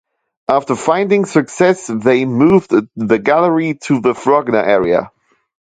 After finding success they moved the gallery to the Frogner area.